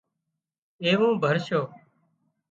ايوون ڀرشو